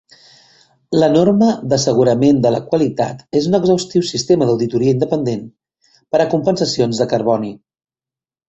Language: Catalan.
La Norma d'Assegurament de la Qualitat és un exhaustiu sistema d'auditoria independent per a compensacions de carboni.